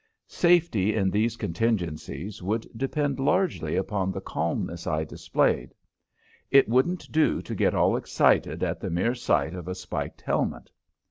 Safety in these contingencies would depend largely upon the calmness I displayed. It wouldn't do to get all excited at the mere sight of a spiked helmet.